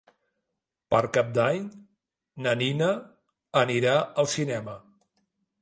Per Cap d'Any na Nina anirà al cinema.